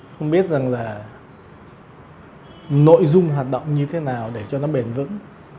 không biết rằng là nội dung hoạt động như thế nào để cho nó bền vững